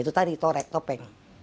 itu tadi torek topeng